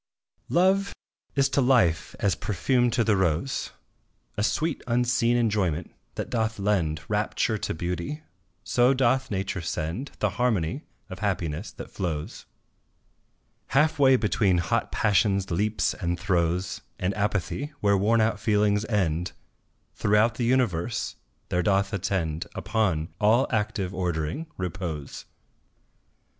Love is to life as perfume to the rose, A sweet unseen enjoyment that doth lend Rapture to beauty so doth Nature send The harmony of happiness that flows Half way between hot Passion's leaps and throes And Apathy, where worn out feelings end, Throughout the universe, there doth attend Upon all active ordering, repose.